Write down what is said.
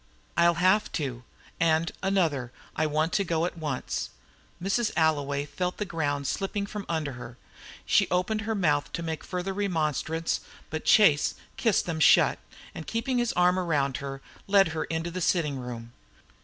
"I'll have to. And, another, I want to go at once." Mrs. Alloway felt the ground slipping from under her. She opened her lips to make further remonstrance, but Chase kissed them shut, and keeping his arm around her, led her into the sitting room.